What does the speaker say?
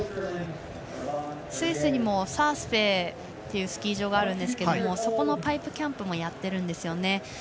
スイスにもサースフェーというスキー場があるんですがそこでパイプキャンプもやっているんですね。